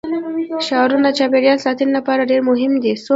ښارونه د چاپیریال ساتنې لپاره ډېر مهم دي.